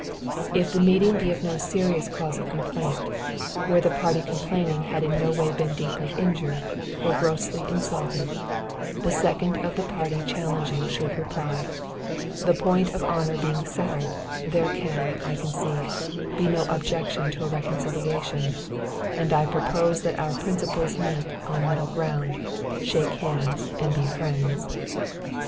If the meeting be of no serious cause of complaint, where the party complaining had in no way been deeply injured, or grossly insulted, the second of the party challenging should reply: "The point of honor being settled, there can, I conceive, be no objection to a reconciliation, and I propose that our principals meet on middle ground, shake hands, and be friends."